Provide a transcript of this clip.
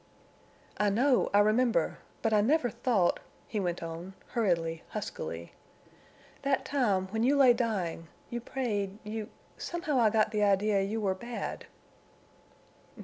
"I know—I remember. But I never thought—" he went on, hurriedly, huskily. "That time—when you lay dying—you prayed—you—somehow I got the idea you were bad."